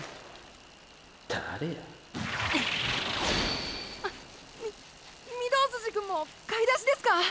誰やあっみ御堂筋くんも買い出しですか？